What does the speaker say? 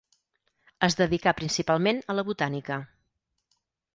Es dedicà principalment a la botànica.